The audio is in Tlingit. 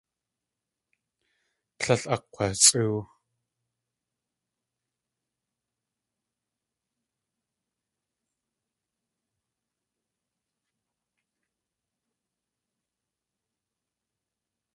Tlél akg̲wasʼóow.